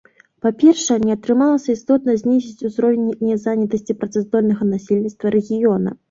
Па-першае, не атрымалася істотна знізіць узровень незанятасці працаздольнага насельніцтва рэгіёна.